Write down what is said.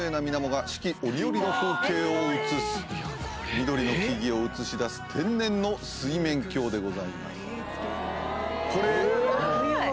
緑の木々を映し出す天然の水面鏡でございます。